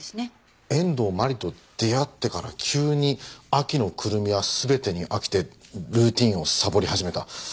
遠藤真理と出会ってから急に秋野胡桃は全てに飽きてルーティンをサボり始めた。